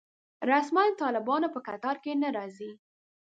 رسماً د طالبانو په کتار کې نه راځي.